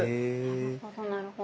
なるほどなるほど。